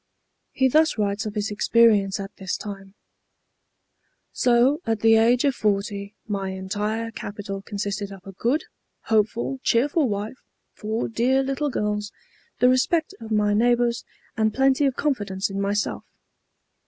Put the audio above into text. He thus writes of his experience at this time: "So at the age of forty my entire capital consisted of a good, hopeful, cheerful wife, four dear little girls, the respect of my neighbors, and plenty of confidence in myself."